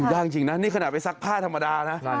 ยากจริงนะนี่ขนาดไปซักผ้าธรรมดานะ